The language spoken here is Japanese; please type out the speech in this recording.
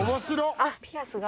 あっピアスが。